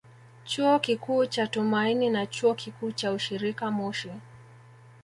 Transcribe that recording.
Chuo Kikuu cha Tumaini na Chuo Kikuu cha Ushirika Moshi